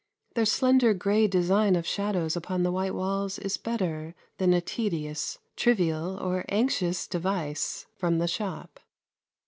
Their slender grey design of shadows upon white walls is better than a tedious, trivial, or anxious device from the shop.